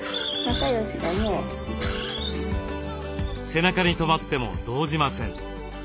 背中にとまっても動じません。